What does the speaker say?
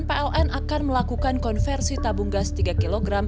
peln akan melakukan konversi tabung gas tiga kg